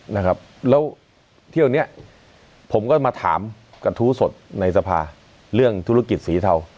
นะครับแล้วเที่ยวนี้ผมก็มาถามกระทู้สดในสภาเรื่องธุรกิจสีเทา